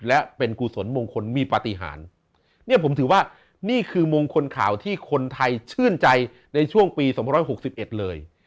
และเป็นกุศลมงคลมีปฏิหารเนี่ยผมถือว่านี่คือมงคลข่าวที่คนไทยชื่นใจในช่วงปี๒๖๑เลย